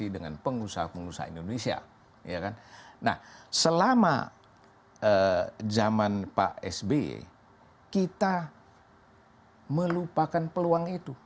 dan sejauh mana dampaknya